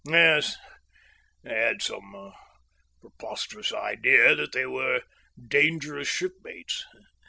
"Yes, they had some preposterous idea that they were dangerous shipmates.